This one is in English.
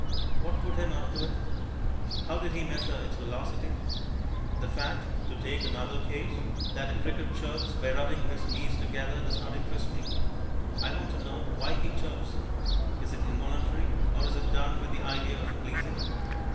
What put him up to it? How did he measure its velocity? The fact (to take another case) that a cricket chirps by rubbing his knees together does not interest me; I want to know why he chirps. Is it involuntary, or is it done with the idea of pleasing?